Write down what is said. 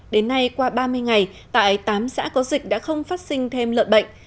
đến nay qua ba mươi ngày tại tám xã có dịch đã không phát sinh thêm lợn bệnh